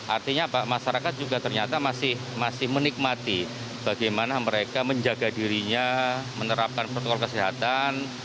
artinya masyarakat juga ternyata masih menikmati bagaimana mereka menjaga dirinya menerapkan protokol kesehatan